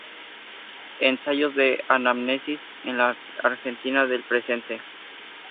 Ensayos de anamnesis "en" la Argentina del presente".